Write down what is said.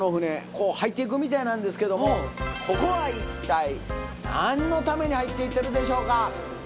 こう入っていくみたいなんですけどもここは一体何のために入っていってるでしょうか？